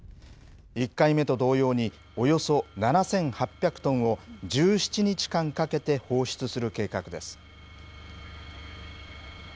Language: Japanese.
１回目と同様に、およそ７８００トンを１７日間かけて、放出する計画です。